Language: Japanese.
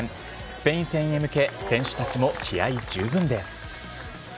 スペイン戦へ向け、選手たちも気合い十分です。